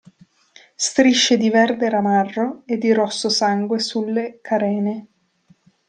Strisce di verde ramarro e di rosso sangue sulle carene.